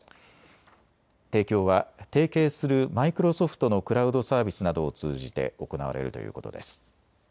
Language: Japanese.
提供は提携するマイクロソフトのクラウドサービスなどを通じて行われるということです。